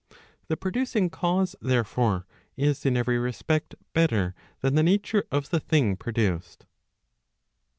The producing cause, therefore, is in every respect better than the nature of the thing produced.